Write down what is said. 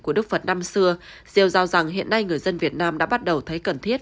của đức phật năm xưa rêu rao rằng hiện nay người dân việt nam đã bắt đầu thấy cần thiết